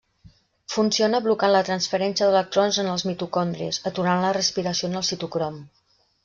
Funciona blocant la transferència d’electrons en els mitocondris, aturant la respiració en el citocrom.